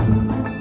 bunyi apa sih